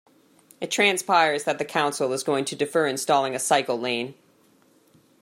It transpires that the council is going to defer installing a cycle lane.